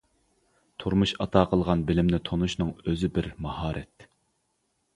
تۇرمۇش ئاتا قىلغان بىلىمنى تونۇشنىڭ ئۆزى بىر ماھارەت.